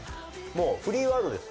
もうフリーワードです。